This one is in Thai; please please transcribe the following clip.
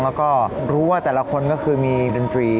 แล้วก็รู้ว่าแต่ละคนก็คือมีดนตรี